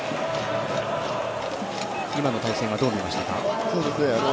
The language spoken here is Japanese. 今の対戦は、どう見ましたか？